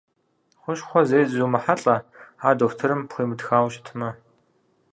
Хущхъуэ зэи зумыхьэлӀэ, ар дохутырым пхуимытхауэ щытмэ.